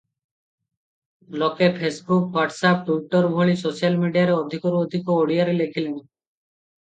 ଲୋକେ Facebook, WhatsApp, Twitter ଭଳି social ମିଡ଼ିଆରେ ଅଧିକରୁ ଅଧିକ ଓଡ଼ିଆରେ ଲେଖିଲେଣି ।